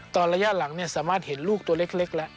ระยะหลังสามารถเห็นลูกตัวเล็กแล้ว